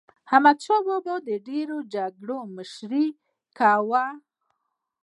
احمدشاه بابا د ډېرو جګړو مشري وکړه.